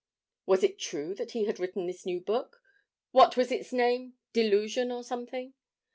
Was it true that he had written this new book? What was its name 'Delusion' or something?